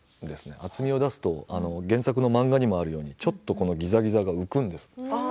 厚みを出すと原作の漫画にもあるようにちょっとぎざぎざが浮くんです。